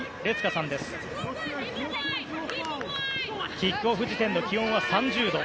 キックオフ時点の気温は３０度。